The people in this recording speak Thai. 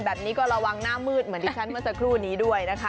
แบบนี้ก็ระวังหน้ามืดเหมือนที่ฉันเมื่อสักครู่นี้ด้วยนะคะ